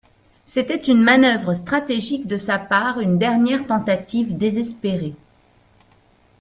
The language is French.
C'était une manoeuvre stratégique de sa part une dernière tentative désespérée.